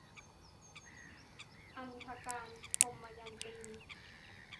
อันธการ - ทมยันตี